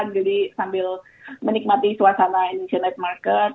jadi sambil menikmati suasana internet market